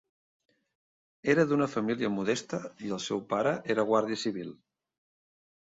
Era d'una família modesta i el seu pare era guàrdia civil.